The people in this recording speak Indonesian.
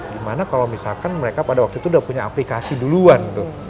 dimana kalau misalkan mereka pada waktu itu udah punya aplikasi duluan tuh